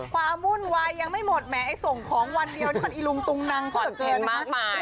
ความวุ่นวายยังไม่หมดแม่ไอ้ส่งของวันเดียวนี่มันอีลุงตุงนังสุดเกินนะคะสอนเทนมากมาย